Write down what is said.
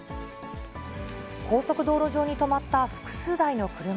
高速道路上に止まった複数台の車。